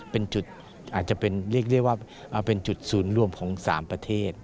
เป็นจุดอาจจะเป็นเรียกว่าเป็นจุดศูนย์รวมของ๓ประเทศ